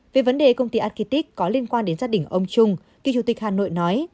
về vấn đề công ty aqitic có liên quan đến gia đình ông trung kỳ chủ tịch hà nội nói